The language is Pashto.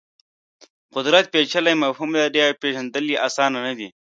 قدرت پېچلی مفهوم لري او پېژندل یې اسان نه دي.